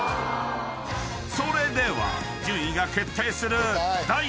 ［それでは順位が決定する］